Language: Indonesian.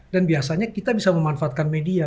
dan biasanya kita bisa memanfaatkan media